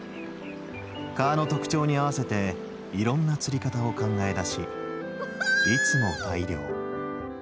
川の特徴に合わせていろんな釣り方を考え出しいつも大漁。